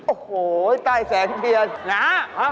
โอ้โฮใต้แสงเทียนน้าหา